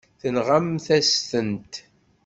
Tenɣamt-as-tent.